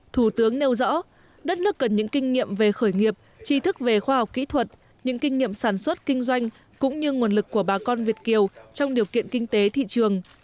thủ tướng nêu rõ đất nước cần những kinh nghiệm về khởi nghiệp chi thức về khoa học kỹ thuật những kinh nghiệm sản xuất kinh doanh cũng như nguồn lực của bà con việt kiều trong điều kiện kinh tế thị trường